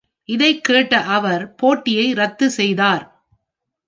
இதைக் கேட்ட அவர் போட்டியை ரத்து செய்தார்.